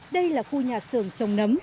đây là khu nhà sườn trồng nấm